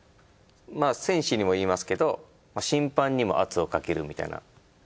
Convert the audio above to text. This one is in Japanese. まあ選手にも言いますけど審判にも圧をかけるみたいな。